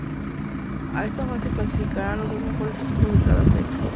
A esta fase clasificarán los dos mejores equipos de cada serie.